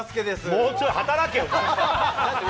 もうちょい働けよ。